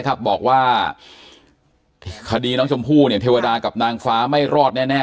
บอกว่าคดีน้องชมพู่เนี่ยเทวดากับนางฟ้าไม่รอดแน่